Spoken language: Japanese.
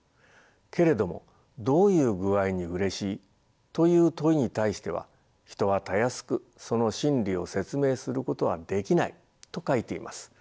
けれども『どういう具合にうれしい』という問いに対しては人はたやすくその心理を説明することはできない」と書いています。